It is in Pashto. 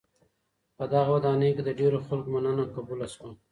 په دغه ودانۍ کي د ډېرو خلکو مننه قبوله سوه.